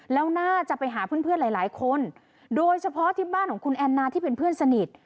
แล้วน่าจะไปหาเพื่อนเพื่อนหลายคนโดยเฉพาะที่บ้านของคุณแอนนาที่เป็นเพื่อนสนิท